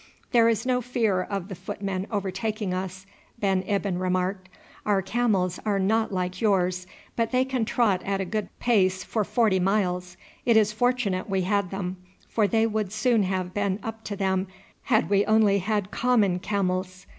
"There is no fear of the footmen overtaking us," Ben Ibyn remarked. "Our camels are not like yours, but they can trot at a good pace for forty miles. It is fortunate we had them, for they would soon have been up to them had we only had common camels.